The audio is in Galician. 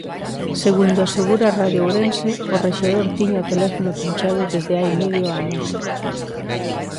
Segundo asegura Radio Ourense, o rexedor tiña o teléfono pinchado desde hai medio ano.